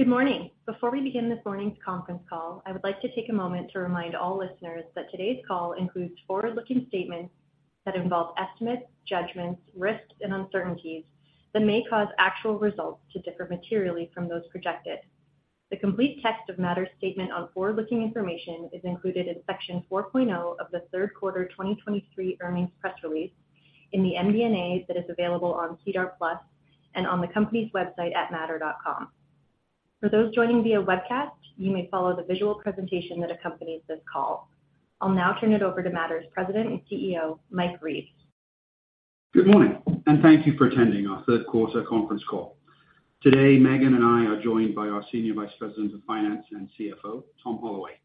Good morning. Before we begin this morning's conference call, I would like to take a moment to remind all listeners that today's call includes forward-looking statements that involve estimates, judgments, risks, and uncertainties that may cause actual results to differ materially from those projected. The complete text of Mattr's statement on forward-looking information is included in Section 4.0 of the third quarter 2023 earnings press release in the MD&A that is available on SEDAR+ and on the company's website at mattr.com. For those joining via webcast, you may follow the visual presentation that accompanies this call. I'll now turn it over to Mattr's President and CEO, Mike Reeves. Good morning, and thank you for attending our third quarter conference call. Today, Meghan and I are joined by our Senior Vice President of Finance and CFO, Tom Holloway.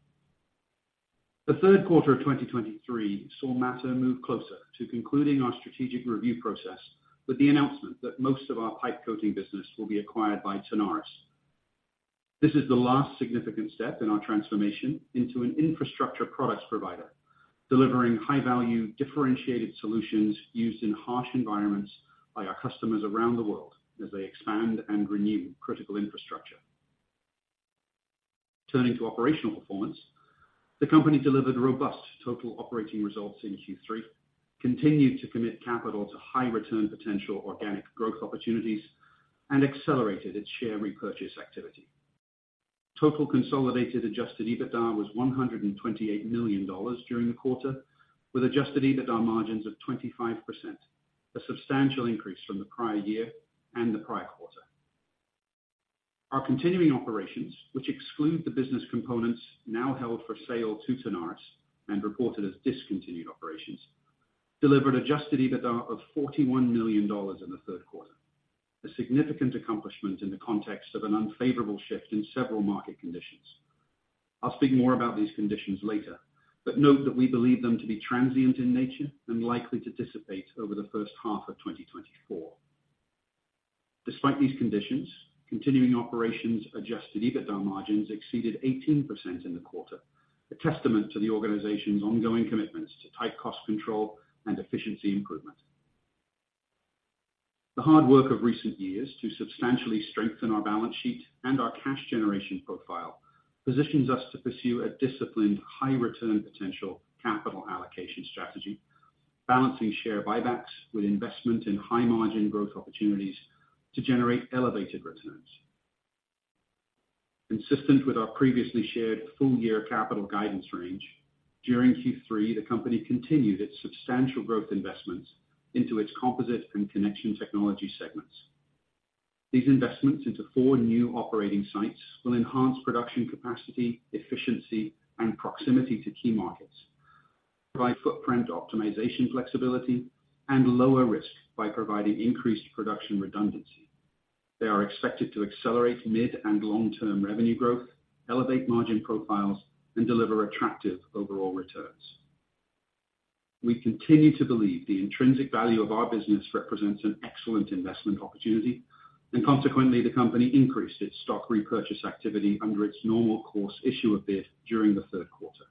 The third quarter of 2023 saw Mattr move closer to concluding our strategic review process with the announcement that most of our pipe coating business will be acquired by Tenaris. This is the last significant step in our transformation into an infrastructure products provider, delivering high-value, differentiated solutions used in harsh environments by our customers around the world as they expand and renew critical infrastructure. Turning to operational performance, the company delivered robust total operating results in Q3, continued to commit capital to high return potential organic growth opportunities, and accelerated its share repurchase activity. Total consolidated adjusted EBITDA was $128 million during the quarter, with adjusted EBITDA margins of 25%, a substantial increase from the prior year and the prior quarter. Our continuing operations, which exclude the business components now held for sale to Tenaris and reported as discontinued operations, delivered adjusted EBITDA of $41 million in the third quarter, a significant accomplishment in the context of an unfavorable shift in several market conditions. I'll speak more about these conditions later, but note that we believe them to be transient in nature and likely to dissipate over the first half of 2024. Despite these conditions, continuing operations adjusted EBITDA margins exceeded 18% in the quarter, a testament to the organization's ongoing commitments to tight cost control and efficiency improvement. The hard work of recent years to substantially strengthen our balance sheet and our cash generation profile positions us to pursue a disciplined, high return potential capital allocation strategy, balancing share buybacks with investment in high margin growth opportunities to generate elevated returns. Consistent with our previously shared full-year capital guidance range, during Q3, the company continued its substantial growth investments into its composite and connection technology segments. These investments into four new operating sites will enhance production capacity, efficiency, and proximity to key markets, provide footprint optimization flexibility, and lower risk by providing increased production redundancy. They are expected to accelerate mid and long-term revenue growth, elevate margin profiles, and deliver attractive overall returns. We continue to believe the intrinsic value of our business represents an excellent investment opportunity, and consequently, the company increased its stock repurchase activity under its normal course issuer bid during the third quarter.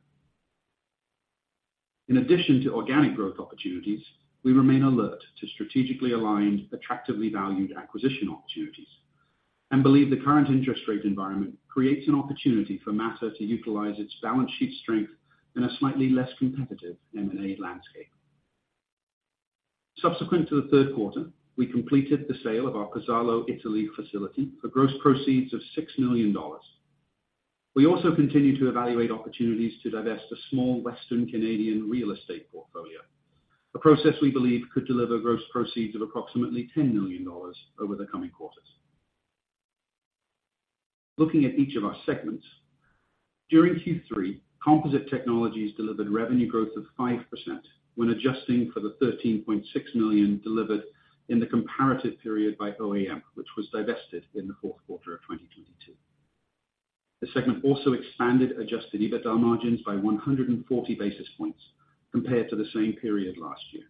In addition to organic growth opportunities, we remain alert to strategically aligned, attractively valued acquisition opportunities and believe the current interest rate environment creates an opportunity for Mattr to utilize its balance sheet strength in a slightly less competitive M&A landscape. Subsequent to the third quarter, we completed the sale of our Casale, Italy, facility for gross proceeds of $6 million. We also continue to evaluate opportunities to divest a small Western Canadian real estate portfolio, a process we believe could deliver gross proceeds of approximately $10 million over the coming quarters. Looking at each of our segments, during Q3, Composite Technologies delivered revenue growth of 5% when adjusting for the $13.6 million delivered in the comparative period by OAM, which was divested in the fourth quarter of 2022. The segment also expanded Adjusted EBITDA margins by 100 basis points compared to the same period last year.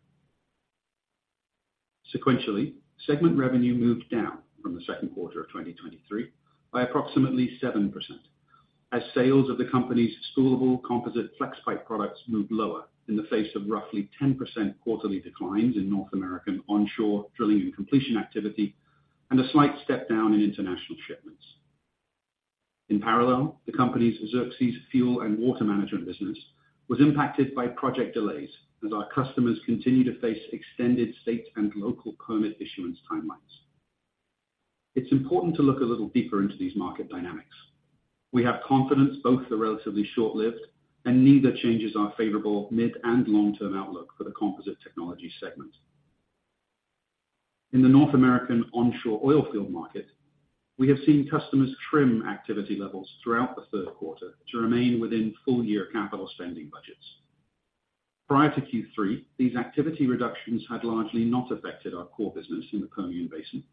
Sequentially, segment revenue moved down from the second quarter of 2023 by approximately 7%, as sales of the company's spoolable composite Flexpipe products moved lower in the face of roughly 10% quarterly declines in North American onshore drilling and completion activity, and a slight step down in international shipments. In parallel, the company's Xerxes fuel and water management business was impacted by project delays as our customers continue to face extended state and local permit issuance timelines. It's important to look a little deeper into these market dynamics. We have confidence both are relatively short-lived, and neither changes our favorable mid and long-term outlook for the composite technology segment. In the North American onshore oil field market, we have seen customers trim activity levels throughout the third quarter to remain within full-year capital spending budgets. Prior to Q3, these activity reductions had largely not affected our core business in the Permian Basin,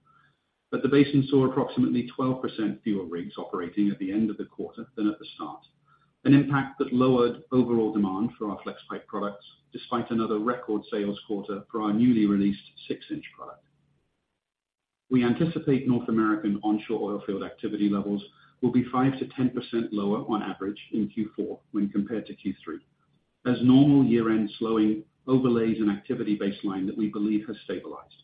but the basin saw approximately 12% fewer rigs operating at the end of the quarter than at the start, an impact that lowered overall demand for our Flexpipe products, despite another record sales quarter for our newly released six inch product. We anticipate North American onshore oilfield activity levels will be 5%-10% lower on average in Q4 when compared to Q3.... as normal year-end slowing overlays an activity baseline that we believe has stabilized.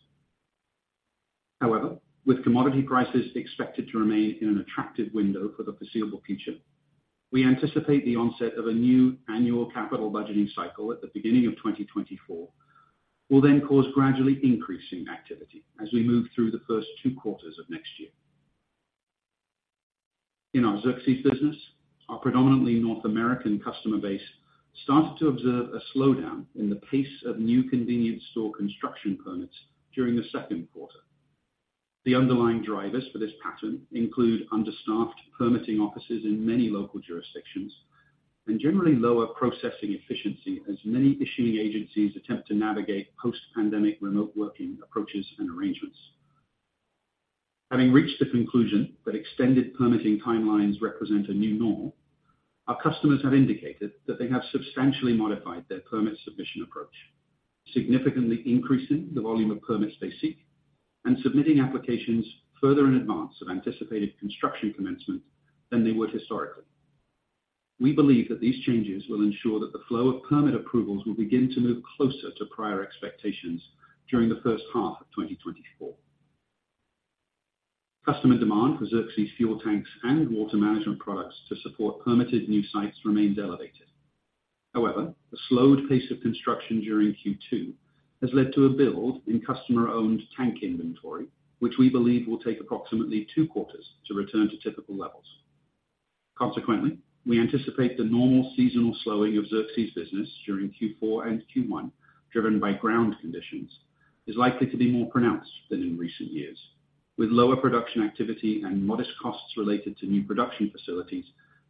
However, with commodity prices expected to remain in an attractive window for the foreseeable future, we anticipate the onset of a new annual capital budgeting cycle at the beginning of 2024. Will then cause gradually increasing activity as we move through the first two quarters of next year. In our Xerxes business, our predominantly North American customer base started to observe a slowdown in the pace of new convenience store construction permits during the second quarter. The underlying drivers for this pattern include understaffed permitting offices in many local jurisdictions and generally lower processing efficiency, as many issuing agencies attempt to navigate post-pandemic remote working approaches and arrangements. Having reached the conclusion that extended permitting timelines represent a new norm, our customers have indicated that they have substantially modified their permit submission approach, significantly increasing the volume of permits they seek and submitting applications further in advance of anticipated construction commencement than they would historically. We believe that these changes will ensure that the flow of permit approvals will begin to move closer to prior expectations during the first half of 2024. Customer demand for Xerxes fuel tanks and water management products to support permitted new sites remains elevated. However, a slowed pace of construction during Q2 has led to a build in customer-owned tank inventory, which we believe will take approximately two quarters to return to typical levels. Consequently, we anticipate the normal seasonal slowing of Xerxes business during Q4 and Q1, driven by ground conditions, is likely to be more pronounced than in recent years, with lower production activity and modest costs related to new production facilities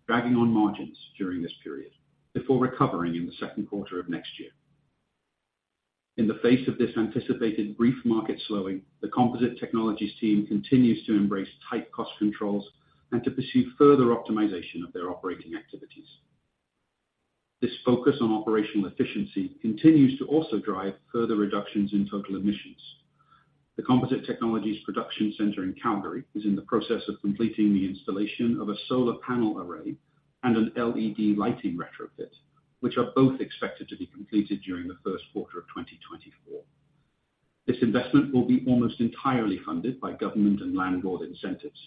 dragging on margins during this period, before recovering in the second quarter of next year. In the face of this anticipated brief market slowing, the Composite Technologies team continues to embrace tight cost controls and to pursue further optimization of their operating activities. This focus on operational efficiency continues to also drive further reductions in total emissions. The Composite Technologies Production Center in Calgary is in the process of completing the installation of a solar panel array and an LED lighting retrofit, which are both expected to be completed during the first quarter of 2024. This investment will be almost entirely funded by government and landlord incentives.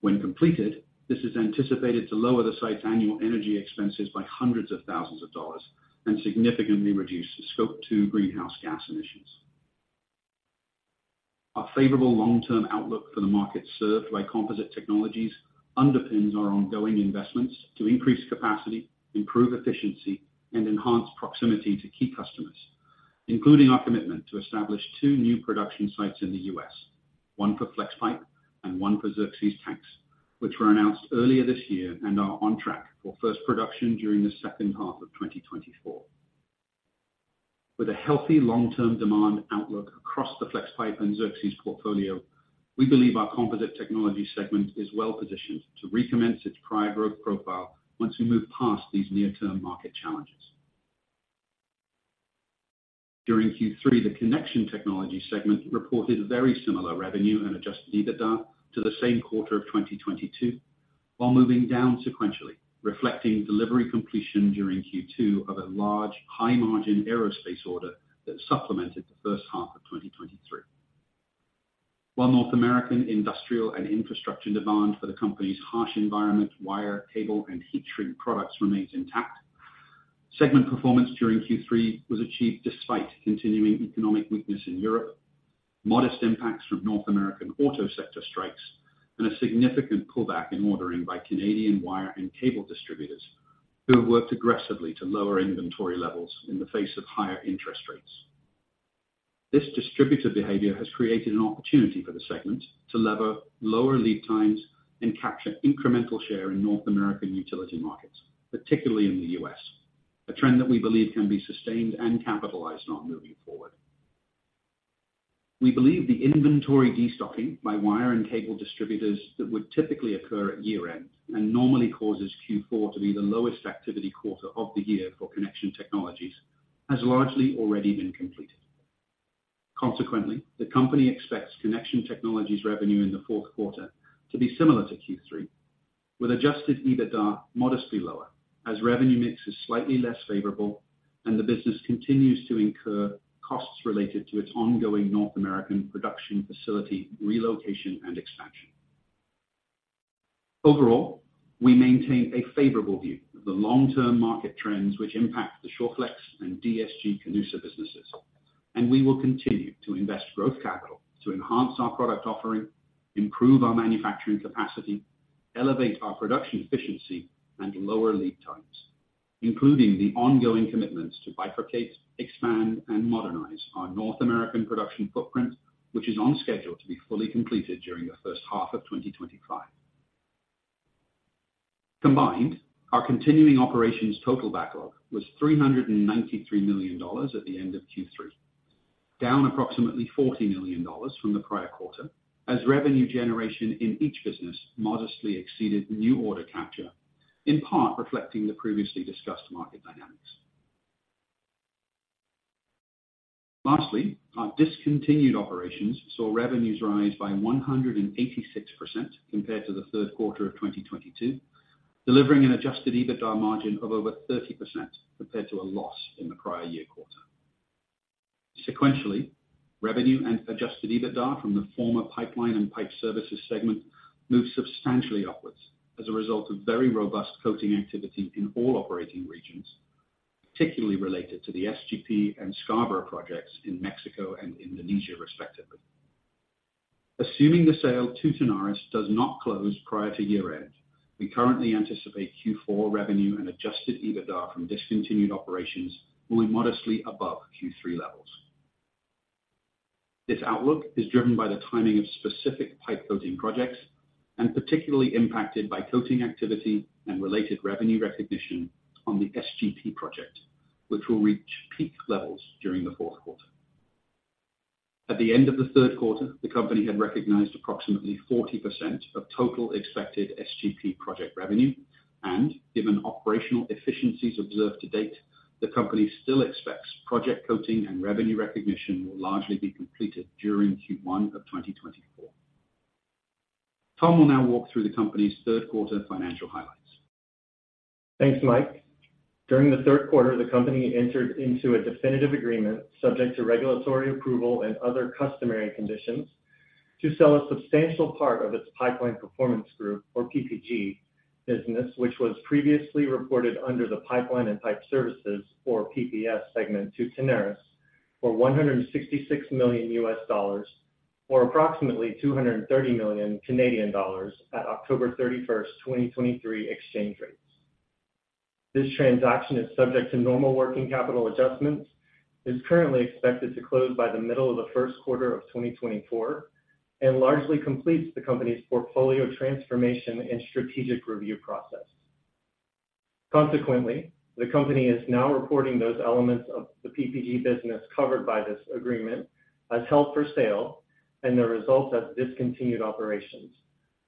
When completed, this is anticipated to lower the site's annual energy expenses by hundreds of thousands of dollars and significantly reduce the scope to greenhouse gas emissions. Our favorable long-term outlook for the market served by Composite Technologies underpins our ongoing investments to increase capacity, improve efficiency, and enhance proximity to key customers, including our commitment to establish two new production sites in the U.S., one for Flexpipe and one for Xerxes tanks, which were announced earlier this year and are on track for first production during the second half of 2024. With a healthy long-term demand outlook across the Flexpipe and Xerxes portfolio, we believe our composite technology segment is well positioned to recommence its prior growth profile once we move past these near-term market challenges. During Q3, the Connection Technologies segment reported very similar revenue and Adjusted EBITDA to the same quarter of 2022, while moving down sequentially, reflecting delivery completion during Q2 of a large, high-margin aerospace order that supplemented the first half of 2023. While North American industrial and infrastructure demand for the company's harsh environment, wire, cable, and heat shrink products remains intact, segment performance during Q3 was achieved despite continuing economic weakness in Europe, modest impacts from North American auto sector strikes, and a significant pullback in ordering by Canadian wire and cable distributors, who have worked aggressively to lower inventory levels in the face of higher interest rates. This distributor behavior has created an opportunity for the segment to lever lower lead times and capture incremental share in North American utility markets, particularly in the U.S., a trend that we believe can be sustained and capitalized on moving forward. We believe the inventory destocking by wire and cable distributors that would typically occur at year-end and normally causes Q4 to be the lowest activity quarter of the year for Connection Technologies, has largely already been completed. Consequently, the company expects Connection Technologies revenue in the fourth quarter to be similar to Q3, with Adjusted EBITDA modestly lower, as revenue mix is slightly less favorable and the business continues to incur costs related to its ongoing North American production facility relocation and expansion. Overall, we maintain a favorable view of the long-term market trends which impact the Shawflex and DSG-Canusa businesses, and we will continue to invest growth capital to enhance our product offering, improve our manufacturing capacity, elevate our production efficiency, and lower lead times, including the ongoing commitments to bifurcate, expand, and modernize our North American production footprint, which is on schedule to be fully completed during the first half of 2025. Combined, our continuing operations total backlog was $393 million at the end of Q3, down approximately $40 million from the prior quarter, as revenue generation in each business modestly exceeded new order capture, in part reflecting the previously discussed market dynamics.... Lastly, our discontinued operations saw revenues rise by 186% compared to the third quarter of 2022, delivering an Adjusted EBITDA margin of over 30% compared to a loss in the prior year quarter. Sequentially, revenue and Adjusted EBITDA from the former Pipeline and Pipe Services segment moved substantially upwards as a result of very robust coating activity in all operating regions, particularly related to the SGP and Scarborough projects in Mexico and Indonesia, respectively. Assuming the sale to Tenaris does not close prior to year-end, we currently anticipate Q4 revenue and Adjusted EBITDA from discontinued operations will be modestly above Q3 levels. This outlook is driven by the timing of specific pipe coating projects and particularly impacted by coating activity and related revenue recognition on the SGP project, which will reach peak levels during the fourth quarter. At the end of the third quarter, the company had recognized approximately 40% of total expected SGP project revenue, and given operational efficiencies observed to date, the company still expects project coating and revenue recognition will largely be completed during Q1 of 2024. Tom will now walk through the company's third quarter financial highlights. Thanks, Mike. During the third quarter, the company entered into a definitive agreement, subject to regulatory approval and other customary conditions, to sell a substantial part of its Pipeline Performance Group, or PPG, business, which was previously reported under the Pipeline and Pipe Services, or PPS, segment to Tenaris for $166 million, or approximately $230 million at October 31st, 2023 exchange rates. This transaction is subject to normal working capital adjustments, is currently expected to close by the middle of the first quarter of 2024, and largely completes the company's portfolio transformation and strategic review process. Consequently, the company is now reporting those elements of the PPG business covered by this agreement as held for sale and the results as discontinued operations,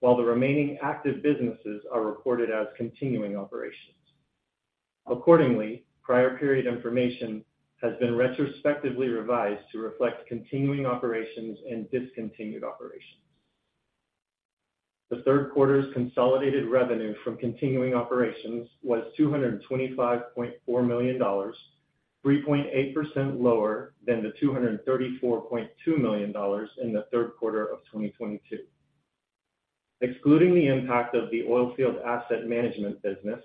while the remaining active businesses are reported as continuing operations. Accordingly, prior period information has been retrospectively revised to reflect continuing operations and discontinued operations. The third quarter's consolidated revenue from continuing operations was $225.4 million, 3.8% lower than the $234.2 million in the third quarter of 2022. Excluding the impact of the Oilfield Asset Management business,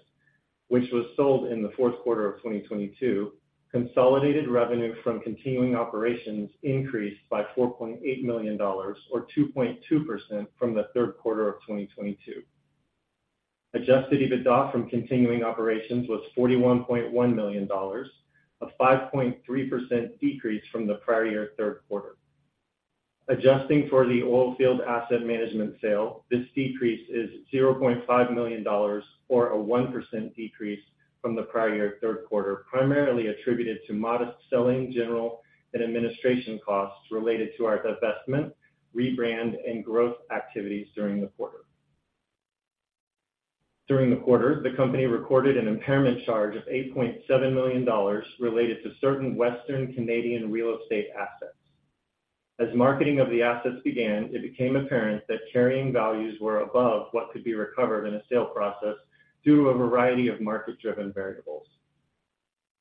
which was sold in the fourth quarter of 2022, consolidated revenue from continuing operations increased by $4.8 million, or 2.2% from the third quarter of 2022. Adjusted EBITDA from continuing operations was $41.1 million, a 5.3% decrease from the prior year third quarter. Adjusting for the Oilfield Asset Management sale, this decrease is $0.5 million, or a 1% decrease from the prior year third quarter, primarily attributed to modest selling, general, and administration costs related to our divestment, rebrand, and growth activities during the quarter. During the quarter, the company recorded an impairment charge of $8.7 million related to certain Western Canadian real estate assets. As marketing of the assets began, it became apparent that carrying values were above what could be recovered in a sale process due to a variety of market-driven variables.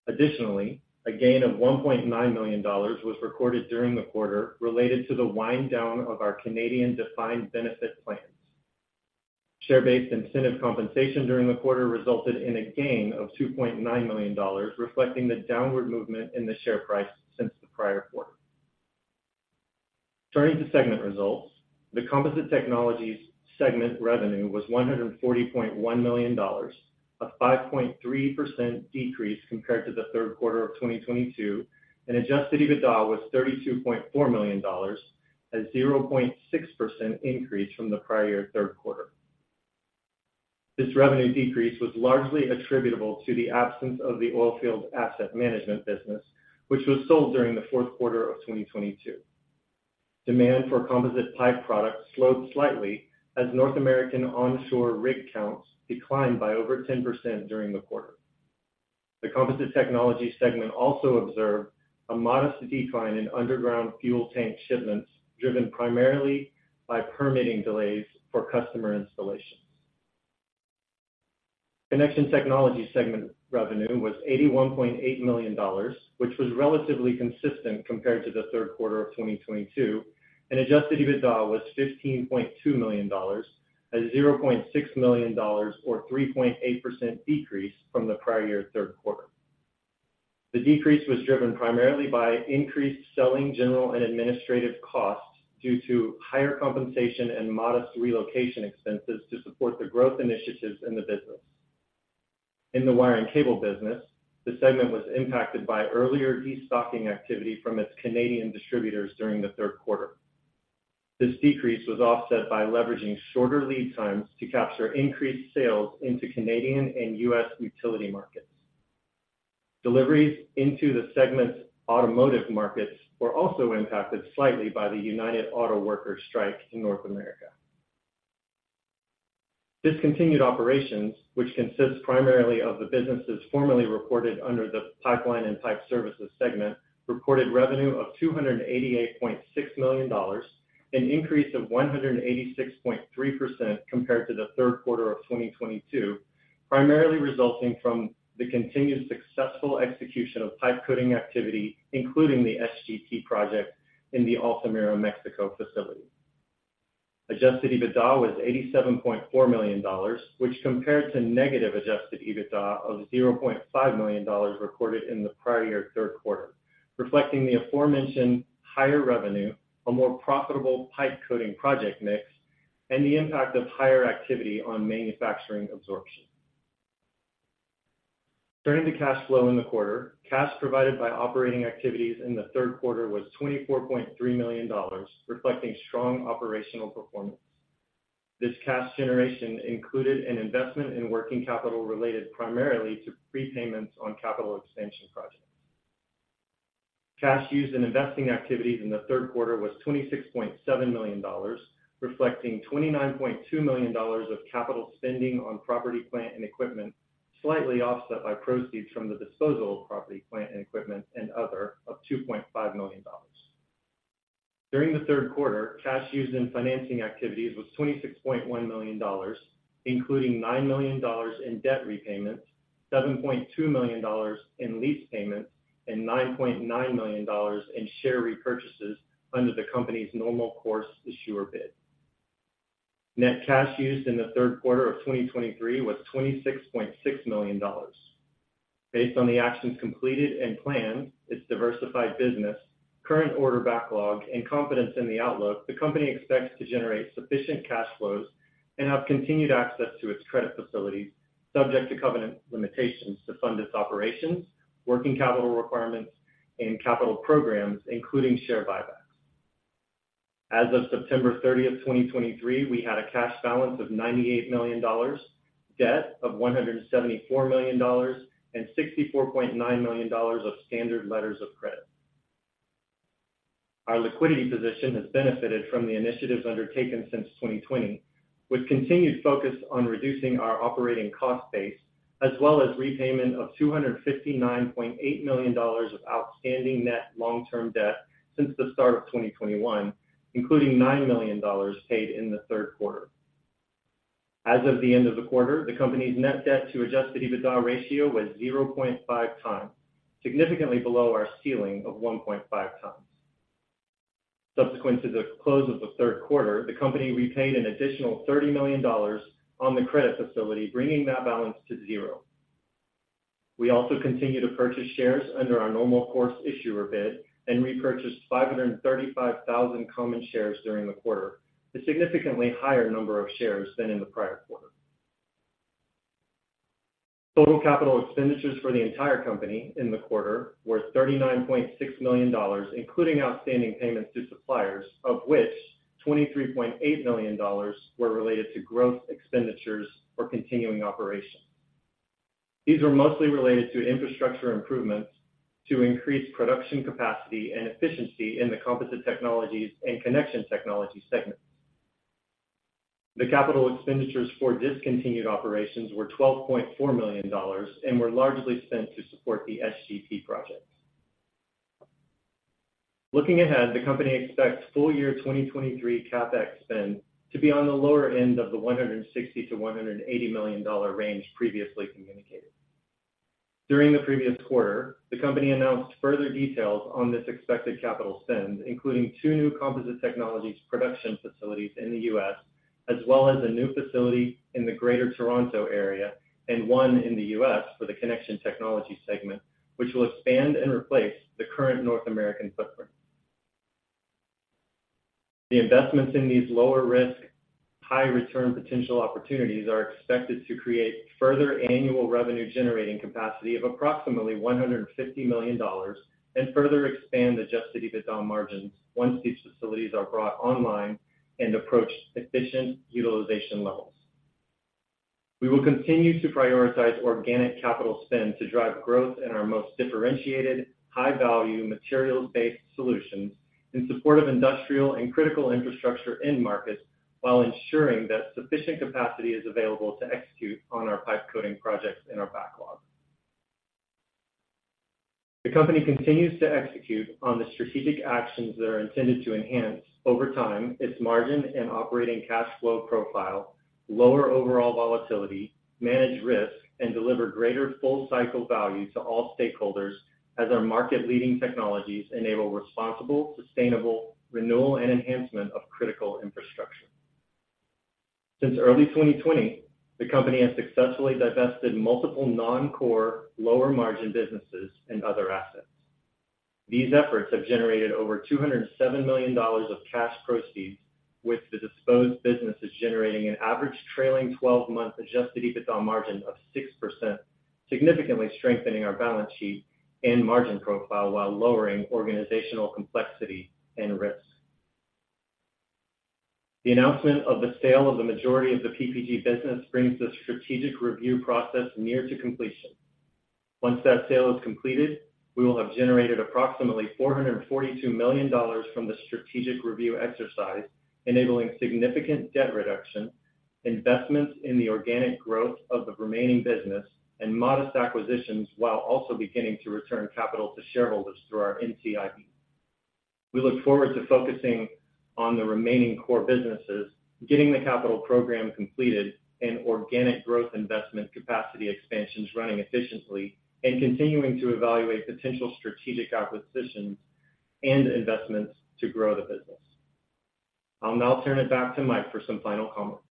Additionally, a gain of $ 1.9 million was recorded during the quarter related to the wind down of our Canadian defined benefit plans. Share-based incentive compensation during the quarter resulted in a gain of $2.9 million, reflecting the downward movement in the share price since the prior quarter. Turning to segment results, the Composite Technologies segment revenue was $140.1 million, a 5.3% decrease compared to the third quarter of 2022, and Adjusted EBITDA was $32.4 million, a 0.6% increase from the prior year third quarter. This revenue decrease was largely attributable to the absence of the Oilfield Asset Management business, which was sold during the fourth quarter of 2022. Demand for composite pipe products slowed slightly as North American onshore rig counts declined by over 10% during the quarter. The Composite Technologies segment also observed a modest decline in underground fuel tank shipments, driven primarily by permitting delays for customer installations. Connection Technologies segment revenue was $81.8 million, which was relatively consistent compared to the third quarter of 2022, and Adjusted EBITDA was $15.2 million, a $0.6 million or 3.8% decrease from the prior year third quarter. The decrease was driven primarily by increased selling, general, and administrative costs due to higher compensation and modest relocation expenses to support the growth initiatives in the business. In the wire and cable business, the segment was impacted by earlier destocking activity from its Canadian distributors during the third quarter. This decrease was offset by leveraging shorter lead times to capture increased sales into Canadian and U.S. utility markets. Deliveries into the segment's automotive markets were also impacted slightly by the United Auto Workers strike in North America. Discontinued operations, which consists primarily of the businesses formerly reported under the Pipeline and Pipe Services segment, reported revenue of $288.6 million, an increase of 186.3% compared to the third quarter of 2022, primarily resulting from the continued successful execution of pipe coating activity, including the SGP project in the Altamira, Mexico facility. Adjusted EBITDA was $87.4 million, which compared to negative adjusted EBITDA of $0.5 million recorded in the prior year third quarter, reflecting the aforementioned higher revenue, a more profitable pipe coating project mix, and the impact of higher activity on manufacturing absorption. Turning to cash flow in the quarter, cash provided by operating activities in the third quarter was $24.3 million, reflecting strong operational performance. This cash generation included an investment in working capital related primarily to prepayments on capital expansion projects. Cash used in investing activities in the third quarter was $26.7 million, reflecting $29.2 million of capital spending on property, plant, and equipment, slightly offset by proceeds from the disposal of property, plant, and equipment, and other of $2.5 million. During the third quarter, cash used in financing activities was $26.1 million, including $9 million in debt repayments, $7.2 million in lease payments, and $9.9 million in share repurchases under the company's normal course issuer bid. Net cash used in the third quarter of 2023 was $ 26.6 million. Based on the actions completed and planned, its diversified business, current order backlog, and confidence in the outlook, the company expects to generate sufficient cash flows and have continued access to its credit facilities, subject to covenant limitations, to fund its operations, working capital requirements, and capital programs, including share buybacks. As of September 30, 2023, we had a cash balance of $ 98 million, debt of $ 174 million, and $ 64.9 million of standard letters of credit. Our liquidity position has benefited from the initiatives undertaken since 2020, with continued focus on reducing our operating cost base, as well as repayment of $259.8 million of outstanding net long-term debt since the start of 2021, including $9 million paid in the third quarter. As of the end of the quarter, the company's net debt to Adjusted EBITDA ratio was 0.5x, significantly below our ceiling of 1.5x. Subsequent to the close of the third quarter, the company repaid an additional $30 million on the credit facility, bringing that balance to zero. We also continue to purchase shares under our Normal Course Issuer Bid and repurchased 535,000 common shares during the quarter, a significantly higher number of shares than in the prior quarter. Total capital expenditures for the entire company in the quarter were $39.6 million, including outstanding payments to suppliers, of which $23.8 million were related to growth expenditures for continuing operations. These were mostly related to infrastructure improvements to increase production capacity and efficiency in the Composite Technologies and connection technology segments. The capital expenditures for discontinued operations were $12.4 million and were largely spent to support the SGP projects. Looking ahead, the company expects full year 2023 CapEx spend to be on the lower end of the $160 million-$180 million range previously communicated. During the previous quarter, the company announced further details on this expected capital spend, including two new Composite Technologies production facilities in the U.S., as well as a new facility in the Greater Toronto Area and one in the U.S. for the Connection Technologies segment, which will expand and replace the current North American footprint. The investments in these lower risk, high return potential opportunities are expected to create further annual revenue-generating capacity of approximately $150 million, and further expand Adjusted EBITDA margins once these facilities are brought online and approach efficient utilization levels. We will continue to prioritize organic capital spend to drive growth in our most differentiated, high-value, materials-based solutions in support of industrial and critical infrastructure end markets, while ensuring that sufficient capacity is available to execute on our pipe coating projects in our backlog. The company continues to execute on the strategic actions that are intended to enhance, over time, its margin and operating cash flow profile, lower overall volatility, manage risk, and deliver greater full cycle value to all stakeholders as our market-leading technologies enable responsible, sustainable renewal and enhancement of critical infrastructure. Since early 2020, the company has successfully divested multiple non-core, lower-margin businesses and other assets. These efforts have generated over $207 million of cash proceeds, with the disposed businesses generating an average trailing 12-month Adjusted EBITDA margin of 6%, significantly strengthening our balance sheet and margin profile, while lowering organizational complexity and risk. The announcement of the sale of the majority of the PPG business brings the strategic review process near to completion. Once that sale is completed, we will have generated approximately $442 million from the strategic review exercise, enabling significant debt reduction, investments in the organic growth of the remaining business, and modest acquisitions, while also beginning to return capital to shareholders through our NCIB. We look forward to focusing on the remaining core businesses, getting the capital program completed, and organic growth investment capacity expansions running efficiently, and continuing to evaluate potential strategic acquisitions and investments to grow the business. I'll now turn it back to Mike for some final comments.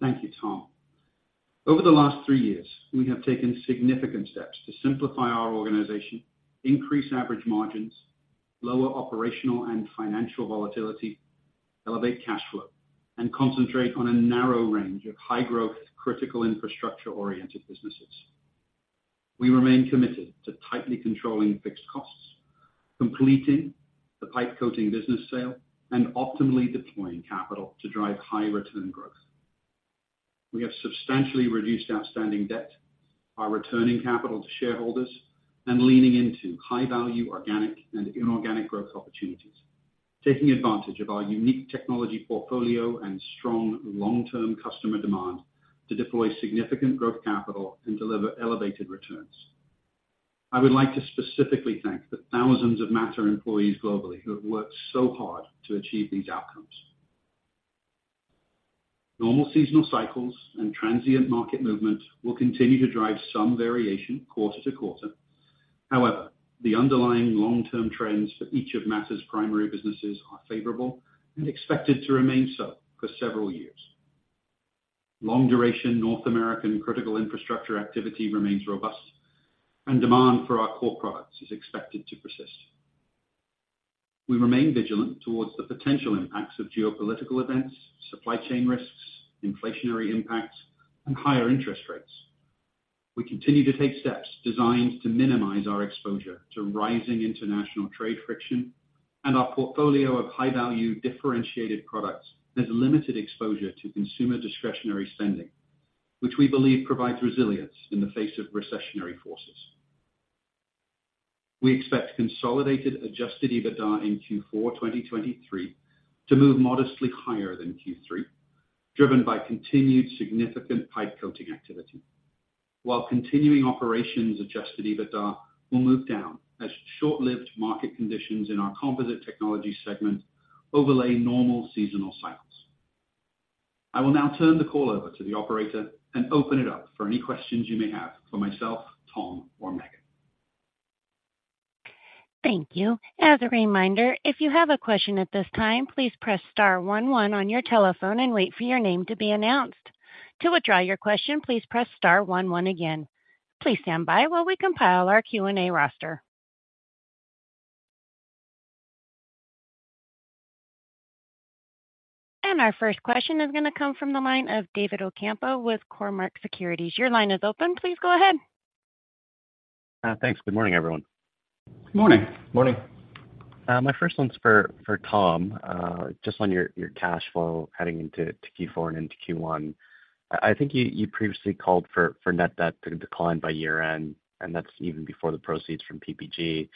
Thank you, Tom. Over the last three years, we have taken significant steps to simplify our organization, increase average margins, lower operational and financial volatility, elevate cash flow, and concentrate on a narrow range of high-growth, critical infrastructure-oriented businesses. We remain committed to tightly controlling fixed costs, completing the pipe coating business sale, and optimally deploying capital to drive high return growth. We have substantially reduced outstanding debt by returning capital to shareholders and leaning into high-value, organic and inorganic growth opportunities, taking advantage of our unique technology portfolio and strong long-term customer demand to deploy significant growth capital and deliver elevated returns. I would like to specifically thank the thousands of Mattr employees globally who have worked so hard to achieve these outcomes. Normal seasonal cycles and transient market movements will continue to drive some variation quarter to quarter. However, the underlying long-term trends for each of Mattr's primary businesses are favorable and expected to remain so for several years. Long-duration North American critical infrastructure activity remains robust, and demand for our core products is expected to persist. We remain vigilant towards the potential impacts of geopolitical events, supply chain risks, inflationary impacts, and higher interest rates. We continue to take steps designed to minimize our exposure to rising international trade friction and our portfolio of high-value, differentiated products that have limited exposure to consumer discretionary spending, which we believe provides resilience in the face of recessionary forces. We expect consolidated Adjusted EBITDA in Q4 2023 to move modestly higher than Q3, driven by continued significant pipe coating activity, while continuing operations Adjusted EBITDA will move down as short-lived market conditions in our composite technology segment overlay normal seasonal cycles. I will now turn the call over to the operator and open it up for any questions you may have for myself, Tom, or Meghan. Thank you. As a reminder, if you have a question at this time, please press star one one on your telephone and wait for your name to be announced. To withdraw your question, please press star one one again. Please stand by while we compile our Q&A roster. Our first question is going to come from the line of David Ocampo with Cormark Securities. Your line is open. Please go ahead. Thanks. Good morning, everyone. Good morning. Morning. My first one's for Tom, just on your cash flow heading into Q4 and into Q1. I think you previously called for net debt to decline by year-end, and that's even before the proceeds from PPG.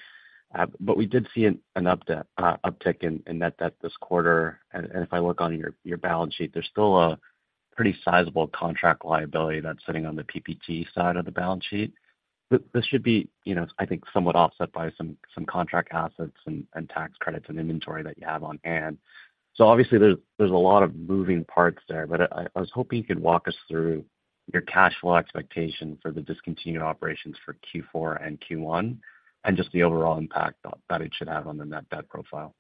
But we did see an uptick in net debt this quarter. If I look on your balance sheet, there's still a pretty sizable contract liability that's sitting on the PPG side of the balance sheet. But this should be, you know, I think, somewhat offset by some contract assets and tax credits and inventory that you have on hand. So obviously, there's a lot of moving parts there, but I was hoping you could walk us through your cash flow expectations for the discontinued operations for Q4 and Q1, and just the overall impact that it should have on the net debt profile.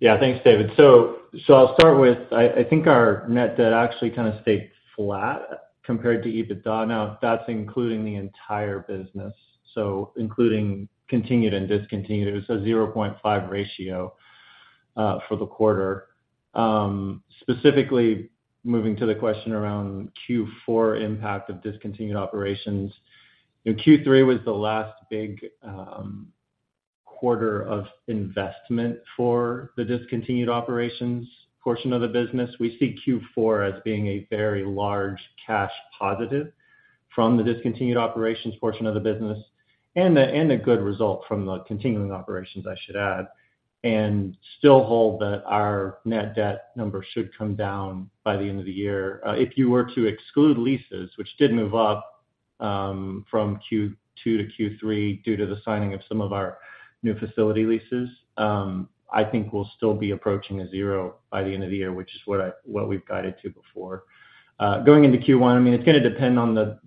Yeah. Thanks, David. So, I'll start with, I think our net debt actually kind of stayed flat compared to EBITDA. Now, that's including the entire business, so including continued and discontinued, it's a 0.5 ratio for the quarter. Specifically, moving to the question around Q4 impact of discontinued operations. In Q3 was the last big quarter of investment for the discontinued operations portion of the business. We see Q4 as being a very large cash positive from the discontinued operations portion of the business and a good result from the continuing operations, I should add, and still hold that our net debt number should come down by the end of the year. If you were to exclude leases, which did move up from Q2 to Q3 due to the signing of some of our new facility leases, I think we'll still be approaching a zero by the end of the year, which is what we've guided to before. Going into Q1, I mean, it's going to depend on the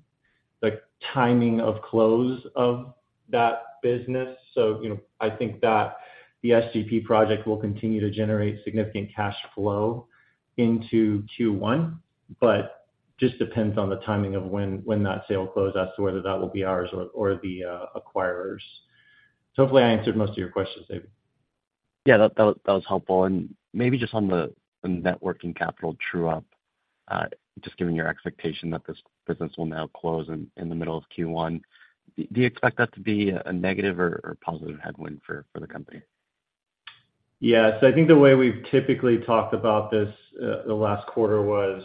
timing of close of that business. So, you know, I think that the SGP project will continue to generate significant cash flow into Q1, but just depends on the timing of when that sale closed as to whether that will be ours or the acquirers. So hopefully, I answered most of your questions, David. Yeah, that was helpful. And maybe just on the net working capital true up, just given your expectation that this business will now close in the middle of Q1, do you expect that to be a negative or positive headwind for the company?... Yes, I think the way we've typically talked about this, the last quarter was,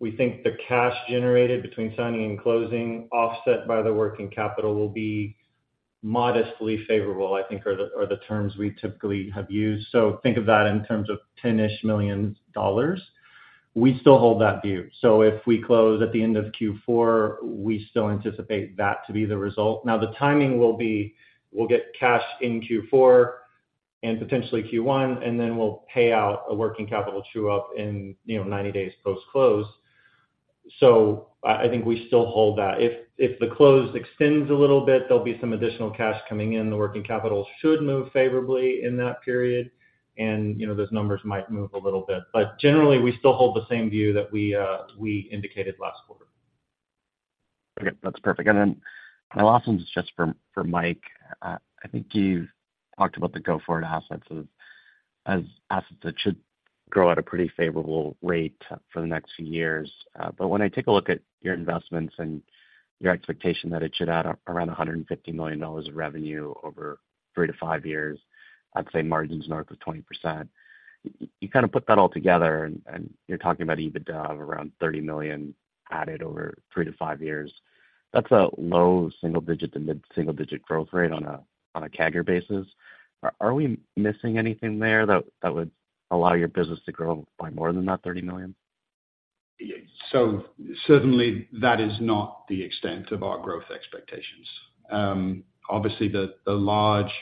we think the cash generated between signing and closing, offset by the working capital, will be modestly favorable, I think are the terms we typically have used. So think of that in terms of $10-ish million. We still hold that view. So if we close at the end of Q4, we still anticipate that to be the result. Now, the timing will be, we'll get cash in Q4 and potentially Q1, and then we'll pay out a working capital true up in, you know, 90 days post-close. So I think we still hold that. If the close extends a little bit, there'll be some additional cash coming in. The working capital should move favorably in that period, and, you know, those numbers might move a little bit. But generally, we still hold the same view that we indicated last quarter. Okay, that's perfect. And then my last one is just for Mike. I think you've talked about the go-forward assets as assets that should grow at a pretty favorable rate for the next few years. But when I take a look at your investments and your expectation that it should add up around $150 million of revenue over three to five years, I'd say margins north of 20%. You kind of put that all together and you're talking about EBITDA of around $30 million added over three to five years. That's a low single digit to mid-single digit growth rate on a CAGR basis. Are we missing anything there that would allow your business to grow by more than that $30 million? Yeah. So certainly, that is not the extent of our growth expectations. Obviously, the large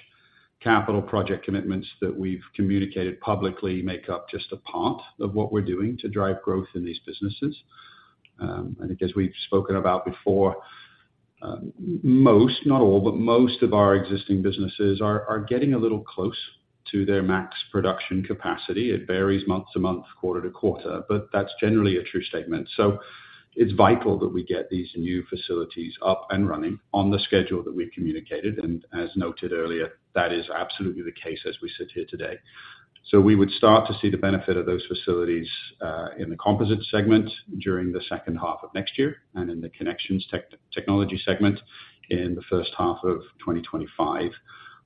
capital project commitments that we've communicated publicly make up just a part of what we're doing to drive growth in these businesses. And I guess we've spoken about before, most, not all, but most of our existing businesses are getting a little close to their max production capacity. It varies month to month, quarter to quarter, but that's generally a true statement. So it's vital that we get these new facilities up and running on the schedule that we've communicated, and as noted earlier, that is absolutely the case as we sit here today. So we would start to see the benefit of those facilities in the composite segment during the second half of next year, and in the connections technology segment in the first half of 2025.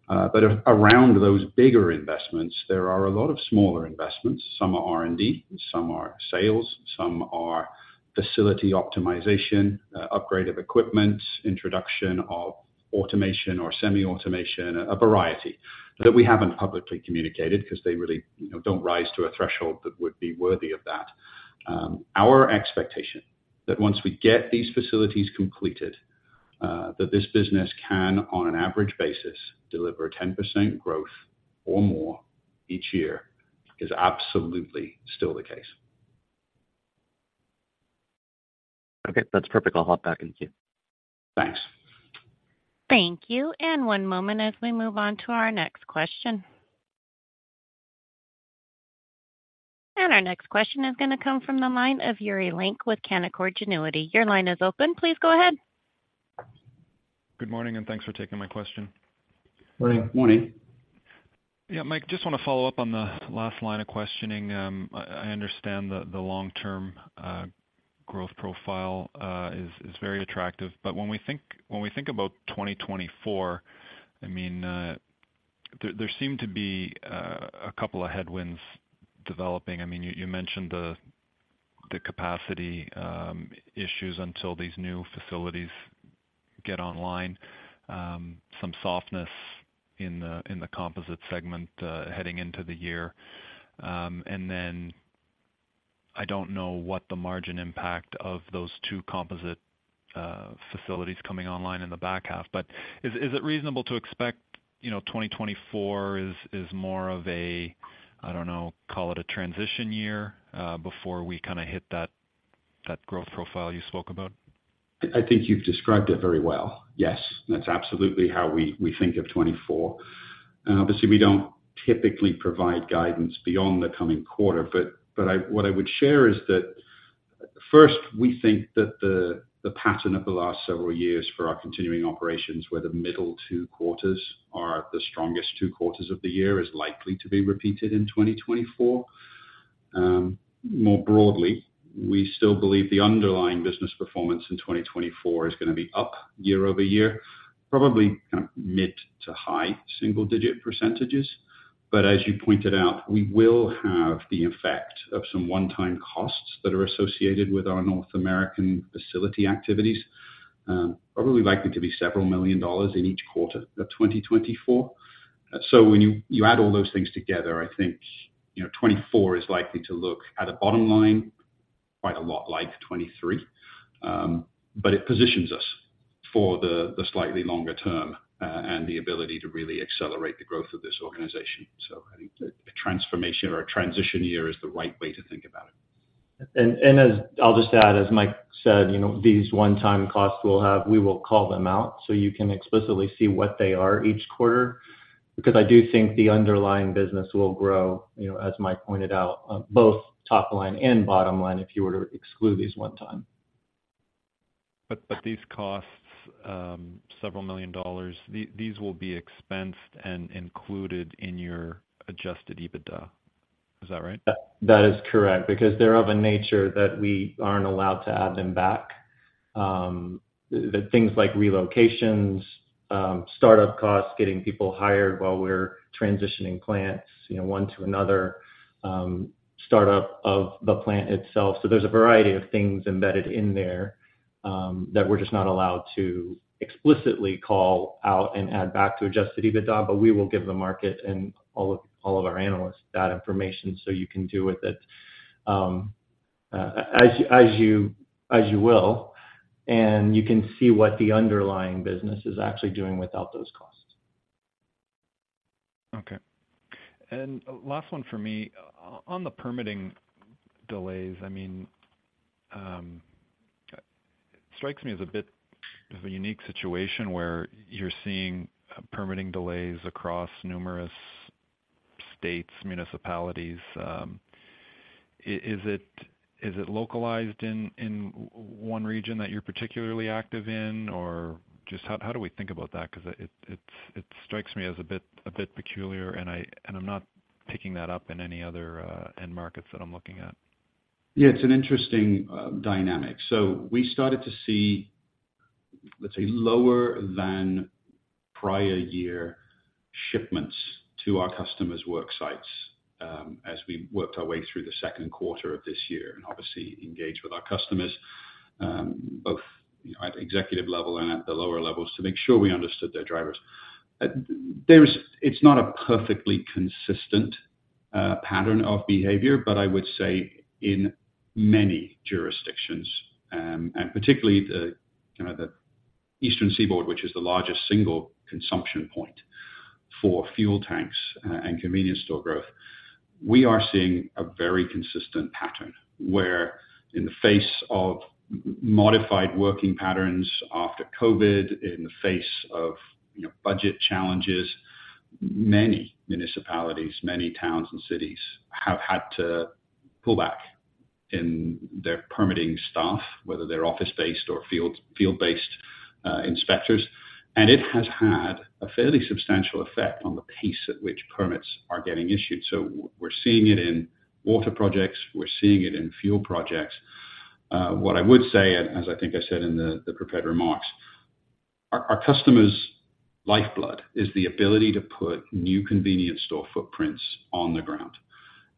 But around those bigger investments, there are a lot of smaller investments. Some are R&D, some are sales, some are facility optimization, upgrade of equipment, introduction of automation or semi-automation, a variety that we haven't publicly communicated because they really, you know, don't rise to a threshold that would be worthy of that. Our expectation that once we get these facilities completed, that this business can, on an average basis, deliver 10% growth or more each year, is absolutely still the case. Okay, that's perfect. I'll hop back in queue. Thanks. Thank you. One moment as we move on to our next question. Our next question is gonna come from the line of Yuri Lynk with Canaccord Genuity. Your line is open. Please go ahead. Good morning, and thanks for taking my question. Good morning. Morning. Yeah, Mike, just wanna follow up on the last line of questioning. I understand that the long-term growth profile is very attractive, but when we think about 2024, I mean, there seem to be a couple of headwinds developing. I mean, you mentioned the capacity issues until these new facilities get online, some softness in the composite segment heading into the year. And then I don't know what the margin impact of those two composite facilities coming online in the back half, but is it reasonable to expect, you know, 2024 is more of a, I don't know, call it a transition year, before we kinda hit that growth profile you spoke about? I think you've described it very well. Yes, that's absolutely how we think of 2024. Obviously, we don't typically provide guidance beyond the coming quarter, but what I would share is that, first, we think that the pattern of the last several years for our continuing operations, where the middle two quarters are the strongest two quarters of the year, is likely to be repeated in 2024. More broadly, we still believe the underlying business performance in 2024 is gonna be up year-over-year, probably kind of mid- to high-single-digit percentages. But as you pointed out, we will have the effect of some one-time costs that are associated with our North American facility activities, probably likely to be several million dollars in each quarter of 2024. So when you add all those things together, I think, you know, 2024 is likely to look at a bottom line, quite a lot like 2023. But it positions us for the slightly longer term, and the ability to really accelerate the growth of this organization. So I think a transformation or a transition year is the right way to think about it. I'll just add, as Mike said, you know, these one-time costs we'll have, we will call them out, so you can explicitly see what they are each quarter, because I do think the underlying business will grow, you know, as Mike pointed out, both top line and bottom line, if you were to exclude these one-time. But these costs, several million dollars, these will be expensed and included in your Adjusted EBITDA. Is that right? That is correct, because they're of a nature that we aren't allowed to add them back.... the things like relocations, startup costs, getting people hired while we're transitioning plants, you know, one to another, startup of the plant itself. So there's a variety of things embedded in there, that we're just not allowed to explicitly call out and add back to Adjusted EBITDA, but we will give the market and all of our analysts that information so you can do with it, as you will, and you can see what the underlying business is actually doing without those costs. Okay. And last one for me. On the permitting delays, I mean, it strikes me as a bit of a unique situation where you're seeing permitting delays across numerous states, municipalities. Is it localized in one region that you're particularly active in? Or just how do we think about that? Because it strikes me as a bit peculiar, and I'm not picking that up in any other end markets that I'm looking at. Yeah, it's an interesting dynamic. So we started to see, let's say, lower than prior year shipments to our customers' work sites, as we worked our way through the second quarter of this year, and obviously engaged with our customers, both, you know, at executive level and at the lower levels to make sure we understood their drivers. It's not a perfectly consistent pattern of behavior, but I would say in many jurisdictions, and particularly the kind of the Eastern Seaboard, which is the largest single consumption point for fuel tanks, and convenience store growth, we are seeing a very consistent pattern, where in the face of modified working patterns after COVID, in the face of, you know, budget challenges, many municipalities, many towns and cities have had to pull back in their permitting staff, whether they're office-based or field-based inspectors. And it has had a fairly substantial effect on the pace at which permits are getting issued. So we're seeing it in water projects, we're seeing it in fuel projects. What I would say, as I think I said in the prepared remarks, our customers' lifeblood is the ability to put new convenience store footprints on the ground,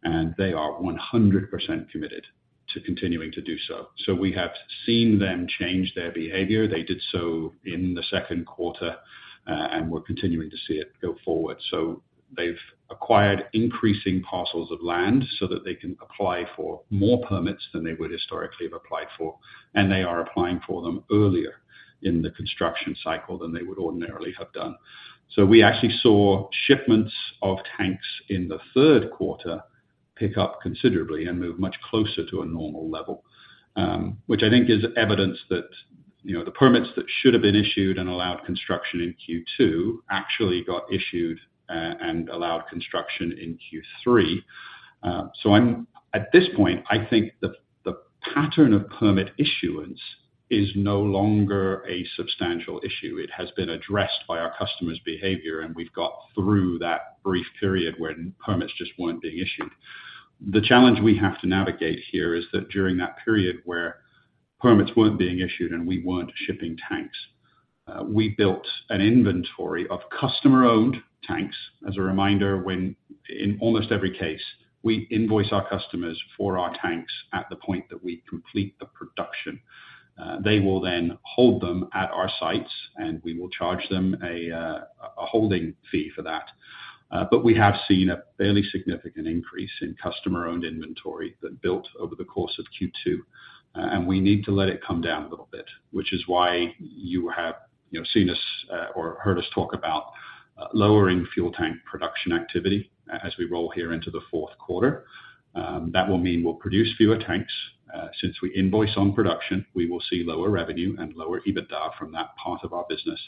and they are 100% committed to continuing to do so. We have seen them change their behavior. They did so in the second quarter, and we're continuing to see it go forward. They've acquired increasing parcels of land so that they can apply for more permits than they would historically have applied for, and they are applying for them earlier in the construction cycle than they would ordinarily have done. So we actually saw shipments of tanks in the third quarter pick up considerably and move much closer to a normal level, which I think is evidence that, you know, the permits that should have been issued and allowed construction in Q2 actually got issued, and allowed construction in Q3. So, at this point, I think the pattern of permit issuance is no longer a substantial issue. It has been addressed by our customers' behavior, and we've got through that brief period when permits just weren't being issued. The challenge we have to navigate here is that during that period where permits weren't being issued and we weren't shipping tanks, we built an inventory of customer-owned tanks. As a reminder, in almost every case, we invoice our customers for our tanks at the point that we complete the production. They will then hold them at our sites, and we will charge them a holding fee for that. But we have seen a fairly significant increase in customer-owned inventory that built over the course of Q2, and we need to let it come down a little bit, which is why you have, you know, seen us or heard us talk about lowering fuel tank production activity as we roll here into the fourth quarter. That will mean we'll produce fewer tanks. Since we invoice on production, we will see lower revenue and lower EBITDA from that part of our business,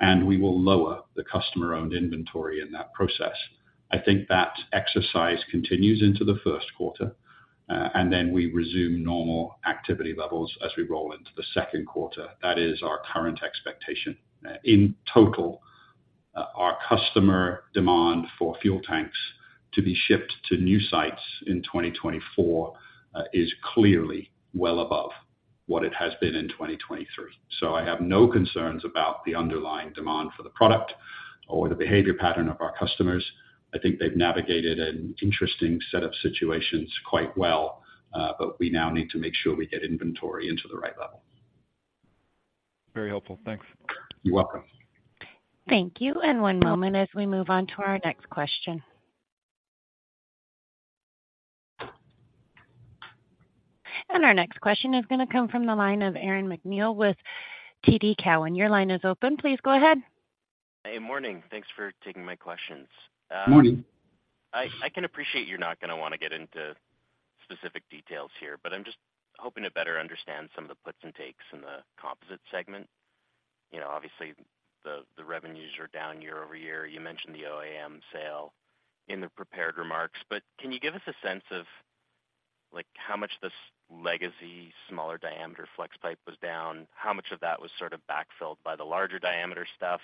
and we will lower the customer-owned inventory in that process. I think that exercise continues into the first quarter, and then we resume normal activity levels as we roll into the second quarter. That is our current expectation. In total, our customer demand for fuel tanks to be shipped to new sites in 2024 is clearly well above what it has been in 2023. I have no concerns about the underlying demand for the product or the behavior pattern of our customers. I think they've navigated an interesting set of situations quite well, but we now need to make sure we get inventory into the right level. Very helpful. Thanks. You're welcome. Thank you, and one moment as we move on to our next question. Our next question is gonna come from the line of Aaron MacNeil with TD Cowen. Your line is open. Please go ahead. Hey, morning. Thanks for taking my questions. Morning. I can appreciate you're not gonna wanna get into specific details here, but I'm just hoping to better understand some of the puts and takes in the composite segment. You know, obviously, the revenues are down year over year. You mentioned the OAM sale in the prepared remarks, but can you give us a sense of, like, how much this legacy, smaller diameter Flexpipe was down? How much of that was sort of backfilled by the larger diameter stuff?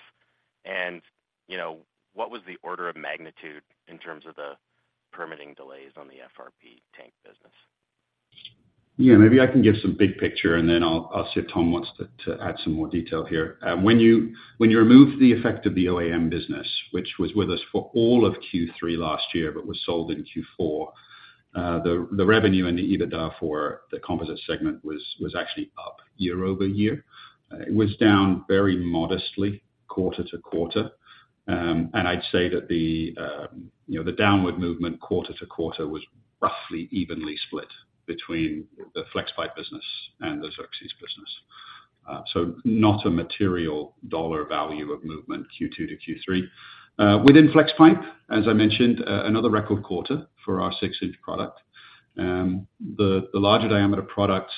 And, you know, what was the order of magnitude in terms of permitting delays on the FRP tank business? Yeah, maybe I can give some big picture, and then I'll see if Tom wants to add some more detail here. When you remove the effect of the OAM business, which was with us for all of Q3 last year, but was sold in Q4, the revenue and the EBITDA for the composite segment was actually up year-over-year. It was down very modestly quarter-over-quarter. And I'd say that the you know, the downward movement quarter-over-quarter was roughly evenly split between the Flexpipe business and the Xerxes business. So not a material dollar value of movement, Q2 to Q3. Within Flexpipe, as I mentioned, another record quarter for our six-inch product. The larger diameter products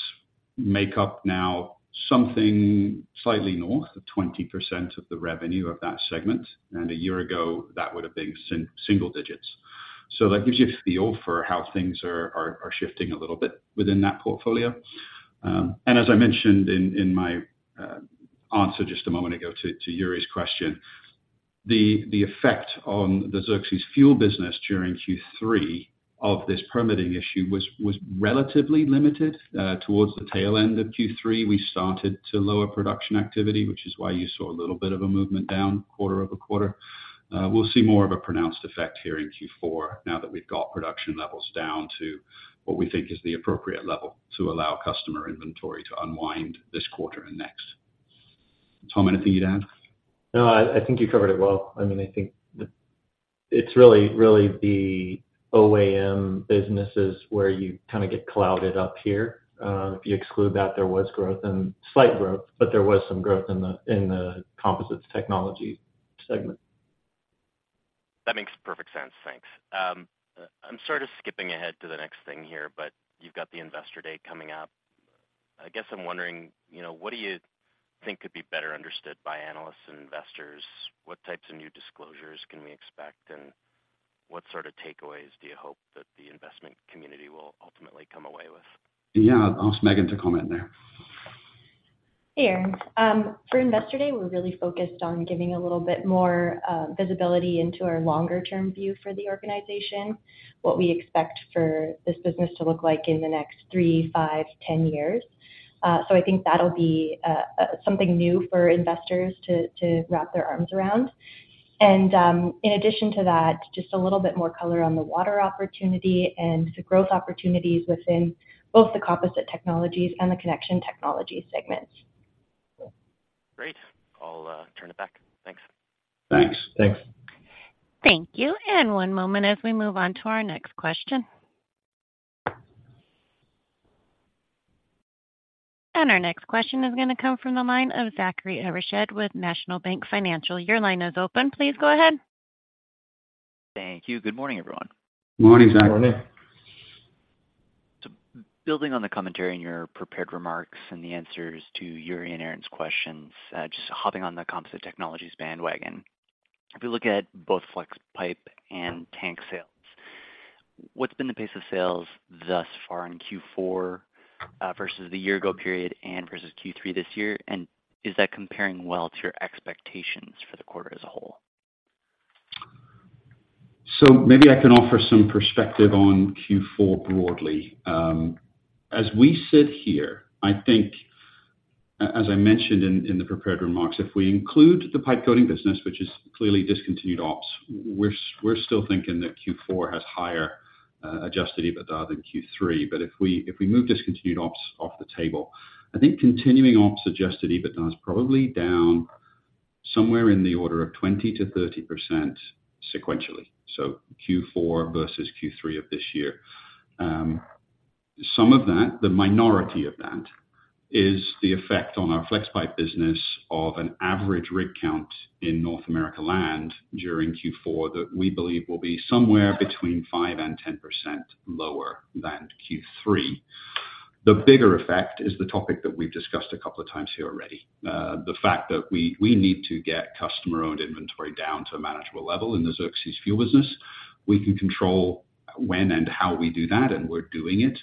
make up now something slightly north of 20% of the revenue of that segment, and a year ago, that would have been single digits. So that gives you a feel for how things are shifting a little bit within that portfolio. And as I mentioned in my answer just a moment ago to Yuri's question, the effect on the Xerxes fuel business during Q3 of this permitting issue was relatively limited. Towards the tail end of Q3, we started to lower production activity, which is why you saw a little bit of a movement down quarter-over-quarter. We'll see more of a pronounced effect here in Q4 now that we've got production levels down to what we think is the appropriate level to allow customer inventory to unwind this quarter and next. Tom, anything you'd add? No, I think you covered it well. I mean, I think the, it's really, really the OAM businesses where you kinda get clouded up here. If you exclude that, there was growth and slight growth, but there was some growth in the composites technology segment. That makes perfect sense. Thanks. I'm sort of skipping ahead to the next thing here, but you've got the Investor Day coming up. I guess I'm wondering, you know, what do you think could be better understood by analysts and investors? What types of new disclosures can we expect, and what sort of takeaways do you hope that the investment community will ultimately come away with? Yeah, I'll ask Meghan to comment there. Hey, Aaron. For Investor Day, we're really focused on giving a little bit more visibility into our longer-term view for the organization, what we expect for this business to look like in the next three, five, 10 years. So I think that'll be something new for investors to wrap their arms around. In addition to that, just a little bit more color on the water opportunity and the growth opportunities within both the Composite Technologies and the Connection Technologies segments. Cool. Great. I'll turn it back. Thanks. Thanks. Thanks. Thank you. And one moment as we move on to our next question. And our next question is gonna come from the line of Zachary Evershed with National Bank Financial. Your line is open. Please go ahead. Thank you. Good morning, everyone. Morning, Zachary. Morning. So building on the commentary in your prepared remarks and the answers to Yuri and Aaron's questions, just hopping on the Composite Technologies bandwagon. If you look at both Flexpipe and tank sales, what's been the pace of sales thus far in Q4, versus the year ago period and versus Q3 this year? And is that comparing well to your expectations for the quarter as a whole? So maybe I can offer some perspective on Q4 broadly. As we sit here, I think, as I mentioned in the prepared remarks, if we include the pipe coating business, which is clearly discontinued ops, we're still thinking that Q4 has higher Adjusted EBITDA than Q3. But if we move discontinued ops off the table, I think continuing ops Adjusted EBITDA is probably down somewhere in the order of 20%-30% sequentially, so Q4 versus Q3 of this year. Some of that, the minority of that, is the effect on our Flexpipe business of an average rig count in North America land during Q4 that we believe will be somewhere between 5% and 10% lower than Q3. The bigger effect is the topic that we've discussed a couple of times here already, the fact that we, we need to get customer-owned inventory down to a manageable level in the Xerxes fuel business. We can control when and how we do that, and we're doing it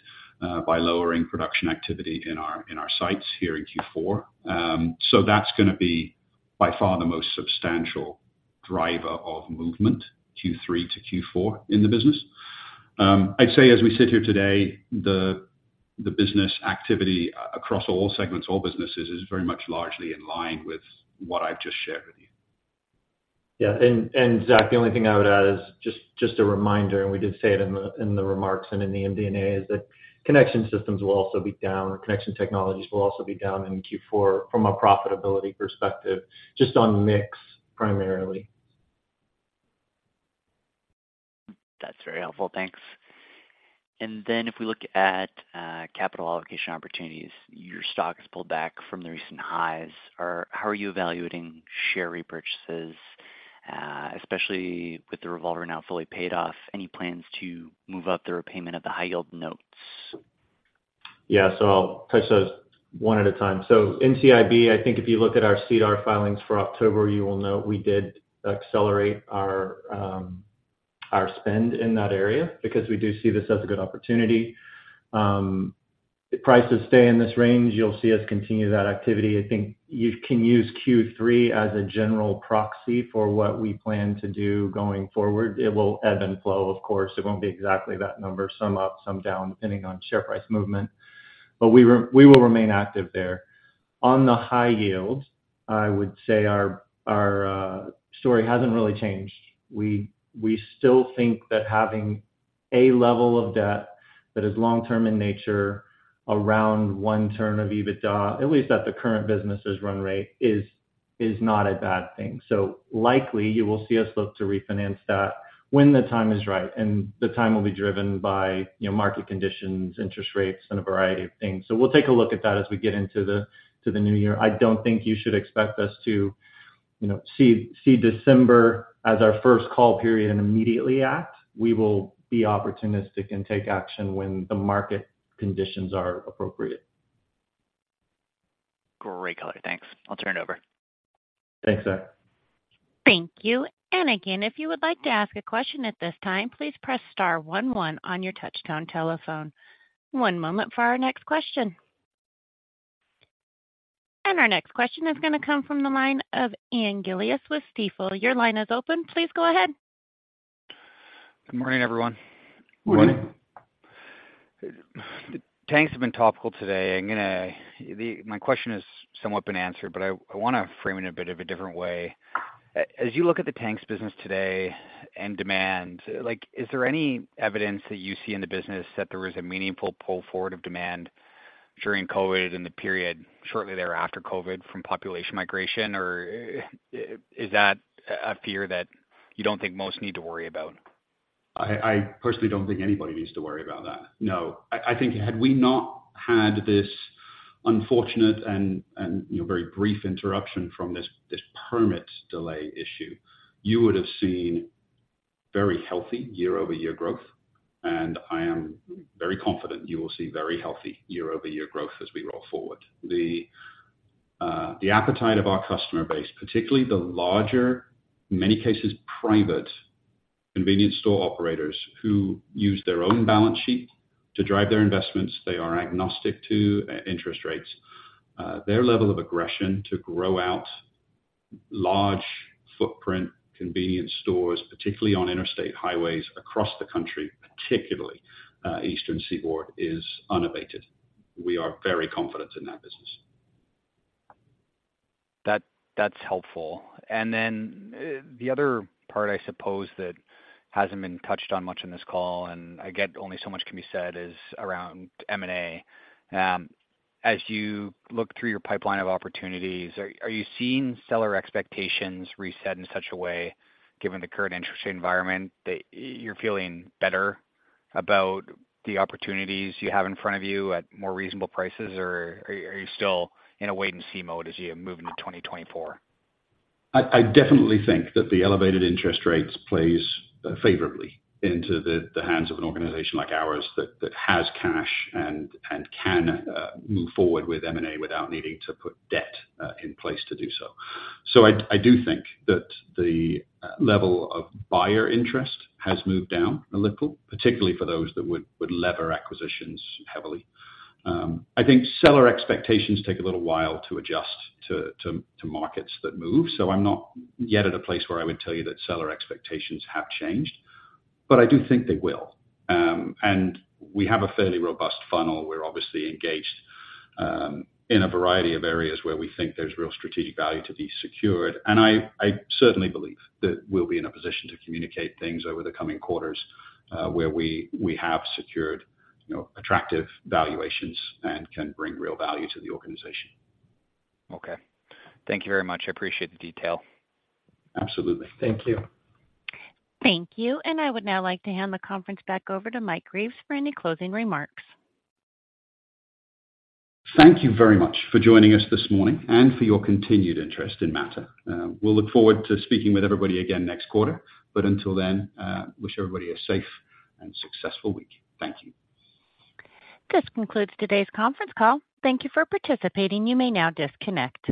by lowering production activity in our, in our sites here in Q4. So that's gonna be by far the most substantial driver of movement, Q3 to Q4, in the business. I'd say as we sit here today, the business activity across all segments, all businesses, is very much largely in line with what I've just shared with you. Yeah, and, Zach, the only thing I would add is just a reminder, and we did say it in the remarks and in the MD&A, is that connection systems will also be down, Connection Technologies will also be down in Q4 from a profitability perspective, just on mix, primarily. That's very helpful. Thanks. And then if we look at capital allocation opportunities, your stock has pulled back from the recent highs. Or how are you evaluating share repurchases, especially with the revolver now fully paid off? Any plans to move up the repayment of the high-yield notes? Yeah, so I'll touch those one at a time. So in CIB, I think if you look at our CDR filings for October, you will note we did accelerate our, our spend in that area because we do see this as a good opportunity.... If prices stay in this range, you'll see us continue that activity. I think you can use Q3 as a general proxy for what we plan to do going forward. It will ebb and flow, of course, it won't be exactly that number, some up, some down, depending on share price movement, but we will, we will remain active there. On the high yield, I would say our, our, story hasn't really changed. We, we still think that having a level of debt that is long-term in nature around one turn of EBITDA, at least at the current business's run rate, is, is not a bad thing. So likely, you will see us look to refinance that when the time is right, and the time will be driven by, you know, market conditions, interest rates, and a variety of things. We'll take a look at that as we get into the new year. I don't think you should expect us to, you know, see December as our first call period and immediately act. We will be opportunistic and take action when the market conditions are appropriate. Great, Keller. Thanks. I'll turn it over. Thanks, Zach. Thank you. And again, if you would like to ask a question at this time, please press star one one on your touchtone telephone. One moment for our next question. And our next question is gonna come from the line of Ian Gillies with Stifel. Your line is open. Please go ahead. Good morning, everyone. Good morning. Tanks have been topical today. I'm gonna... My question has somewhat been answered, but I wanna frame it in a bit of a different way. As you look at the tanks business today and demand, like, is there any evidence that you see in the business that there was a meaningful pull forward of demand during COVID and the period shortly thereafter COVID from population migration, or is that a fear that you don't think most need to worry about? I personally don't think anybody needs to worry about that. No. I think had we not had this unfortunate and, you know, very brief interruption from this permit delay issue, you would have seen very healthy year-over-year growth, and I am very confident you will see very healthy year-over-year growth as we roll forward. The appetite of our customer base, particularly the larger, in many cases, private convenience store operators who use their own balance sheet to drive their investments, they are agnostic to interest rates. Their level of aggression to grow out large footprint convenience stores, particularly on interstate highways across the country, particularly Eastern Seaboard, is unabated. We are very confident in that business. That, that's helpful. And then the other part, I suppose, that hasn't been touched on much in this call, and I get only so much can be said, is around M&A. As you look through your pipeline of opportunities, are you seeing seller expectations reset in such a way, given the current interest rate environment, that you're feeling better about the opportunities you have in front of you at more reasonable prices, or are you still in a wait-and-see mode as you move into 2024? I, I definitely think that the elevated interest rates plays favorably into the, the hands of an organization like ours that, that has cash and, and can move forward with M&A without needing to put debt in place to do so. So I, I do think that the level of buyer interest has moved down a little, particularly for those that would, would lever acquisitions heavily. I think seller expectations take a little while to adjust to, to, to markets that move, so I'm not yet at a place where I would tell you that seller expectations have changed, but I do think they will. And we have a fairly robust funnel. We're obviously engaged in a variety of areas where we think there's real strategic value to be secured, and I certainly believe that we'll be in a position to communicate things over the coming quarters where we have secured, you know, attractive valuations and can bring real value to the organization. Okay. Thank you very much. I appreciate the detail. Absolutely. Thank you. Thank you, and I would now like to hand the conference back over to Mike Reeves for any closing remarks. Thank you very much for joining us this morning and for your continued interest in Mattr. We'll look forward to speaking with everybody again next quarter, but until then, wish everybody a safe and successful week. Thank you. This concludes today's conference call. Thank you for participating. You may now disconnect.